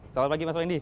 selamat pagi mas wendy